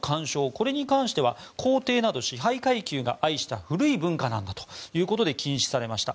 これに関しては皇帝など支配階級が愛した古い文化なんだということで禁止されました。